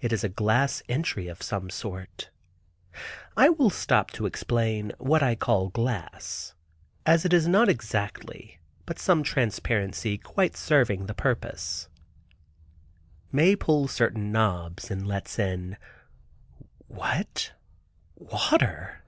It is a glass entry of some sort. (I will stop to explain what I call glass, as it is not exactly, but some transparency quite serving the purpose.) Mae pulls certain knobs and lets in what——water!